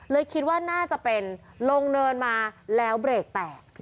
คิดว่าน่าจะเป็นลงเนินมาแล้วเบรกแตก